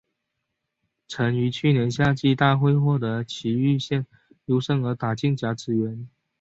曾于去年夏季大会获得崎玉县优胜而打进甲子园。